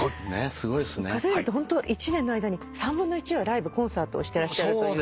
数えると１年の間に３分の１はライブコンサートをしてらっしゃるという。